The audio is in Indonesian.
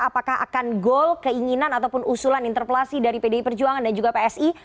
apakah akan goal keinginan ataupun usulan interpelasi dari pdi perjuangan dan juga psi